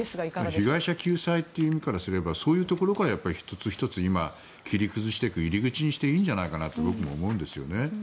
被害者救済の面でいえばそういう１つ１つ今、切り崩していく入り口にしていいんじゃないかと僕も思うんですよね。